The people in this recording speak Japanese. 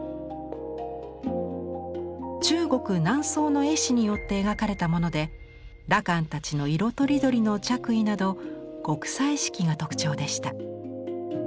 中国・南宋の絵師によって描かれたもので羅漢たちの色とりどりの着衣など極彩色が特徴でした。